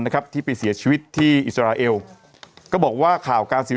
นะครับที่ไปเสียชีวิตที่อิสราเอลก็บอกว่าข่าวการเสียว